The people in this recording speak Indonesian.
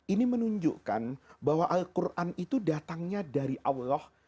ini menunjukkan bahwa al quran itu datangnya dari allah